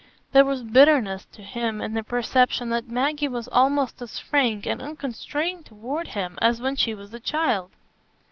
There was bitterness to him in the perception that Maggie was almost as frank and unconstrained toward him as when she was a child.